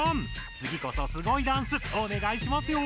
つぎこそすごいダンスおねがいしますよ！